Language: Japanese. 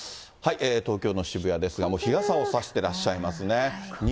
東京の渋谷ですが、もう日傘を差してらっしゃいますね。